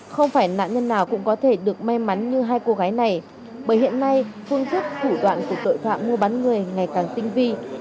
không phải nạn nhân nào cũng có thể được may mắn như hai cô gái này bởi hiện nay phương thức thủ đoạn của tội phạm mua bán người ngày càng tinh vi